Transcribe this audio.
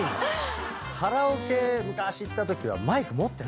カラオケ昔行ったときはマイク持ってなかった。